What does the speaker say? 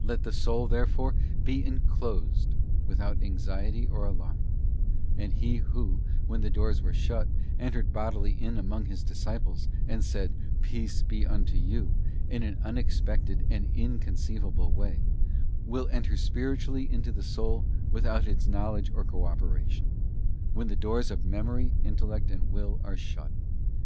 Let the soul, therefore, be 'enclosed' without anxiety or The River of alarm; and He Who, when the doors were shut, entered j bodily in among His disciples, and said, ' Peace be unto you,' § in an unexpected and inconceivable way, will enter spiritually into the soul without its knowledge or cooperation, when * Os, ii, 14, + 1 Kings iii. 10. ¢t Cant.